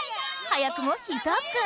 早くもヒートアップ！